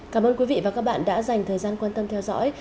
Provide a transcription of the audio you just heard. cảm ơn quý vị và các bạn đã dành thời gian quan tâm theo dõi